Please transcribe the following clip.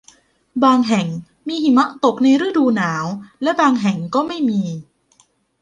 บางแห่งมีหิมะตกในฤดูหนาวและบางแห่งก็ไม่มี